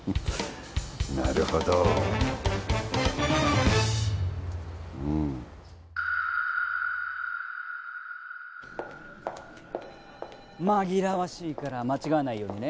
なるほどうん紛らわしいから間違わないようにね